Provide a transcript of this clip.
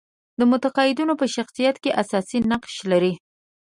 د معتقدانو په شخصیت کې اساسي نقش لري.